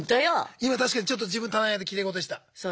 今確かにちょっと自分棚に上げてきれい事でした！